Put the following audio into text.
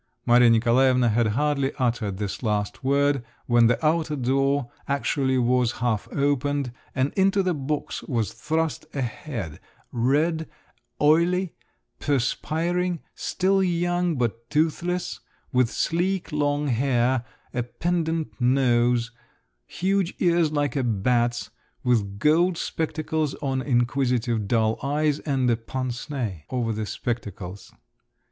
Maria Nikolaevna had hardly uttered this last word when the outer door actually was half opened, and into the box was thrust a head—red, oily, perspiring, still young, but toothless; with sleek long hair, a pendent nose, huge ears like a bat's, with gold spectacles on inquisitive dull eyes, and a pince nez over the spectacles.